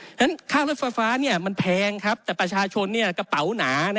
ฉะนั้นค่ารถไฟฟ้ามันแพงครับแต่ประชาชนกระเป๋าหนา